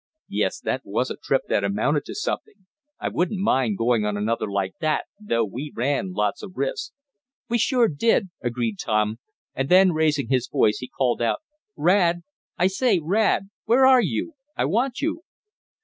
"Yes, that was a trip that amounted to something. I wouldn't mind going on another like that, though we ran lots of risks." "We sure did," agreed Tom, and then, raising his voice he called out: "Rad, I say Rad! Where are you? I want you!"